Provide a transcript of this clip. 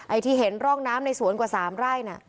ที่เห็นร่องน้ำในสวนกว่า๓ไร่น่ะ